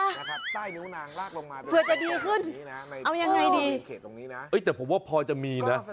เกิดจะดีขึ้นเอายังไงดีเฮ้ยแต่ผมว่าพอจะมีน่ะ